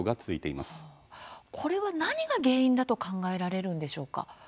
これは何が原因だと考えられるんでしょうか？